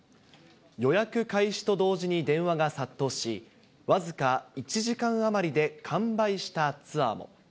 予約開始と同時に電話が殺到し、僅か１時間余りで完売したツアーも。